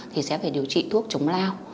thì sẽ phải điều trị thuốc chống lao